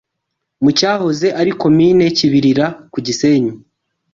mu cyahoze ari Komini Kibilira ku Gisenyi